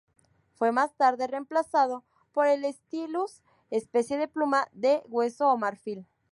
Fue más tarde reemplazado por el "stylus", especie de pluma de hueso o marfil.